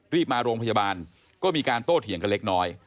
รีบมาโรงพยาบาลก็มีการโต้เถียงกันเล็กน้อย